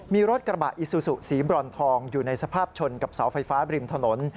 มีรถกระบะอิซูซูสีบรอนทองอยู่ในสภาพชนกับเสาไฟฟ้าบริมถนน